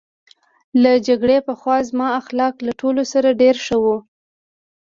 له جګړې پخوا زما اخلاق له ټولو سره ډېر ښه وو